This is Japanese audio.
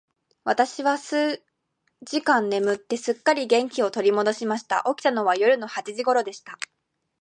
私は数時間眠って、すっかり元気を取り戻しました。起きたのは夜の八時頃でした。